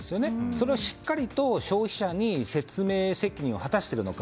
それをしっかりと消費者に説明責任を果たしているのか。